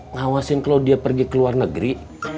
ngawasin kalau dia pergi ke luar negeri